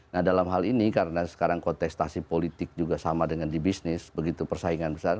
nah dalam hal ini karena sekarang kontestasi politik juga sama dengan di bisnis begitu persaingan besar